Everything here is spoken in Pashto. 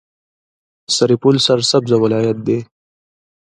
سرپل سرسبزه ولایت دی.